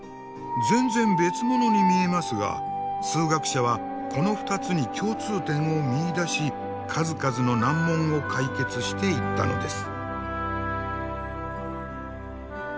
全然別ものに見えますが数学者はこの２つに共通点を見いだし数々の難問を解決していったのです。